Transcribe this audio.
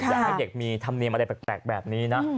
อยากให้เด็กมีธรรมเนียมอะไรแปลกแบบนี้นะ